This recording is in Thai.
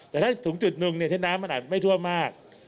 แต่ถ้าถึงจุดหนึ่งที่น้ำมันอาจไม่ทั่วมาก